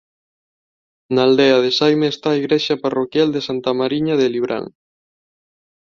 Na aldea de Saíme está a Igrexa parroquial de Santa Mariña de Librán.